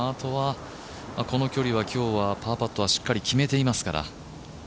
この距離は今日はパーパットはしっかり決めていますから。